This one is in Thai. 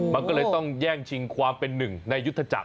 มันก็เลยต้องแย่งชิงความเป็นหนึ่งในยุทธจักร